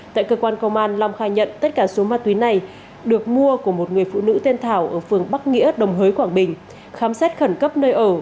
tại cơ quan công an long khai nhận tất cả số ma túy này được mua của một người phụ nữ tên thảo ở phường bắc nghĩa đồng hới quảng bình khám xét khẩn cấp nơi ở